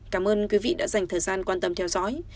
cảm ơn quý vị đã dành thời gian quan tâm theo dõi